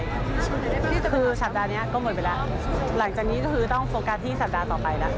นี่คือสัปดาห์นี้ก็หมดไปแล้วหลังจากนี้ก็คือต้องโฟกัสที่สัปดาห์ต่อไปแล้ว